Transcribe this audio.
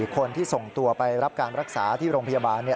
คนที่ส่งตัวไปรับการรักษาที่โรงพยาบาล